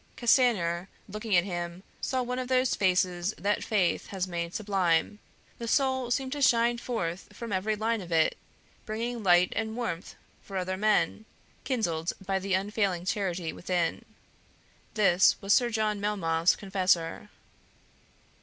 Castanier, looking at him, saw one of those faces that faith has made sublime; the soul seemed to shine forth from every line of it, bringing light and warmth for other men, kindled by the unfailing charity within. This was Sir John Melmoth's confessor.